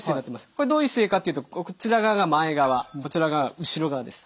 これどういう姿勢かっていうとこちら側が前側こちら側が後ろ側です。